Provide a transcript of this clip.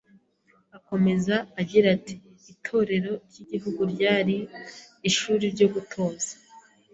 Akomeza agira ati: „Itorero ry’Igihugu ryari ishuri ryo gutoza